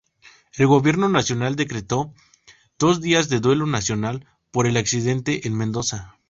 El gobierno nacional decretó dos días de duelo nacional por el accidente en Mendoza.